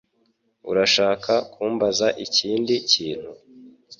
Urashaka kumbaza ikindi kintu?